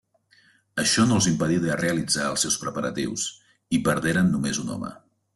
Això no els impedí de realitzar els seus preparatius, i perderen només un home.